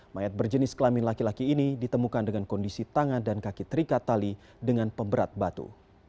mayat berjenis kelamin laki laki ini ditemukan dengan kondisi tangan dan kaki terikat tali dengan pemberat batu